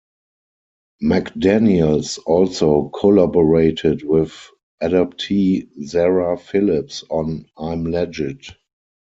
McDaniels also collaborated with Adoptee Zara Philips on I'm Legit.